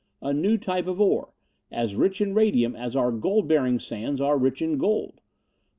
A new type of ore, as rich in radium as our gold bearing sands are rich in gold.